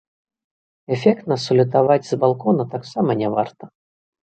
Эфектна салютаваць з балкона таксама не варта.